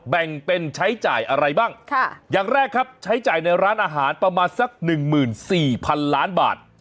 แบ่งเป็นใช้จ่ายอะไรบ้างอย่างแรกครับใช้จ่ายในร้านอาหารประมาณสัก๑๔๐๐๐ล้านบาท